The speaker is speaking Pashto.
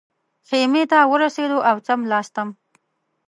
خیمې ته ورسېدو او څملاستم.